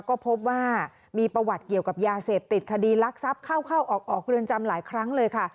ก็พบว่ามีประวัติเกี่ยวกับยาเสพติดคดีลักทรัพย์เข้าออกเรือนจำหลายครั้งเลยค่ะ